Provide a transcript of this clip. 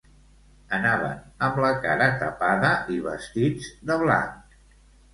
Anaven amb la cara tapada i vestits de blanc.